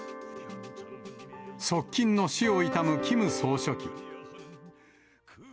側近の死を悼むキム総書記。